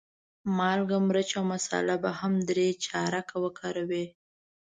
مالګه، مرچ او مساله به هم درې چارکه وکاروې.